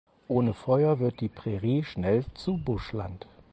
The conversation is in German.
Ohne Feuer wird die Prärie schnell zu Buschland.